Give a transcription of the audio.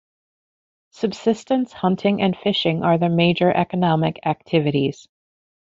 Subsistence hunting and fishing are the major economic activities.